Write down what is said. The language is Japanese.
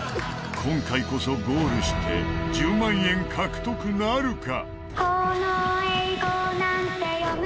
今回こそゴールして１０万円獲得なるか？